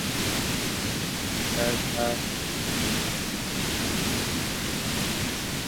Sharing A Gibson With Martin Luther King Jr.